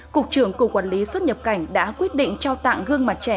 cục trưởng cục quản lý xuất nhập cảnh đã quyết định trao tặng gương mặt trẻ